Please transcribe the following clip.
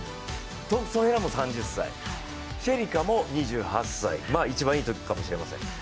トンプソン・ヘラも３０歳、シェリカも２８歳、一番いい時期かもしれません。